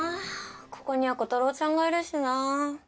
ここにはコタローちゃんがいるしなあ。